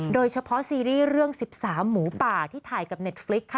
โดยเฉพาะซีรีส์เรื่องสิบสามหมูป่าที่ถ่ายกับเน็ตฟลิกค่ะ